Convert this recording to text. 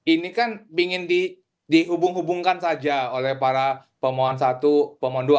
ini kan ingin dihubung hubungkan saja oleh para pemohon satu pemohon dua